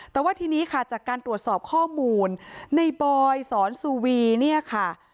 แต่ว่าทีนี้ค่ะจากการตรวจสอบข้อมูลในบอยสอนสุวีเนี่ยค่ะ